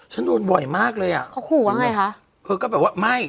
โดนบ่อยมากเลยอ่ะเขาขู่ว่าไงคะเธอก็แบบว่าไม่